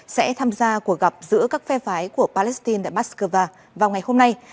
sẽ tham gia cuộc gặp giữa các phe phái của palestine tại moscow vào ngày hôm nay